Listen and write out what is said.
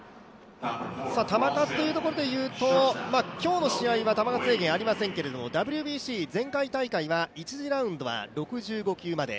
球数というところでいうと、今日の試合は球数制限はありませんけどＷＢＣ前回大会は１次ラウンドは６５球まで。